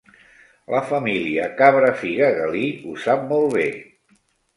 La família Cabrafiga Galí ho sap molt bé.